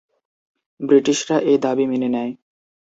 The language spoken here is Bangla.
ব্রিটিশরা এই দাবি মেনে নেয়।